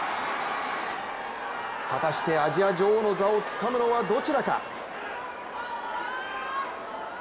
果たしてアジア女王の座をつかむのはどちらか。